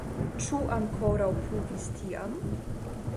Ĉu ankoraŭ pluvis tiam?